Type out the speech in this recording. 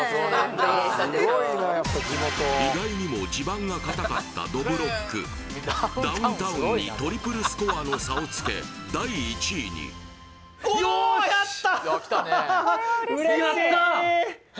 意外にも地盤が固かったどぶろっくダウンタウンにトリプルスコアの差をつけ第１位によーし！